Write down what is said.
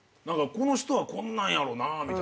この人はこんなんやろなみたいな。